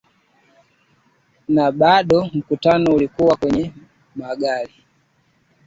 na bado mkutano ulikuwa kwenye magari